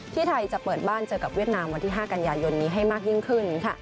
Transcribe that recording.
ไทยจะเปิดบ้านเจอกับเวียดนามวันที่๕กันยายนนี้ให้มากยิ่งขึ้นค่ะ